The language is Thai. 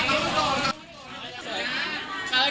อี๋เห็นไม่นะ